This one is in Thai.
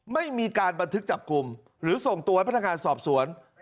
ไม่มีการบันทึกจับกลุ่มหรือส่งตัวให้พนักงานสอบสวน